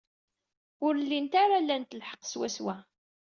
Ur llint ara lant lḥeqq swaswa.